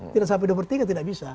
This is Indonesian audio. tidak sampai dua per tiga tidak bisa